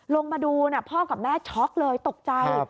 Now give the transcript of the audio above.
ลงมาดูพ่อกับแม่ช็อกเลยตกใจ